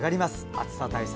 暑さ対策